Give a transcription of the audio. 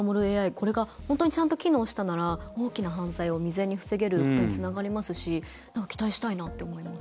これが、本当にちゃんと機能したなら大きな犯罪を未然に防げることにつながりますし期待したいなと思います。